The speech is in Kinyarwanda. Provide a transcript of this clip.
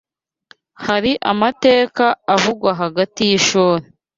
Hari amateka avugwa hagati y’ishuri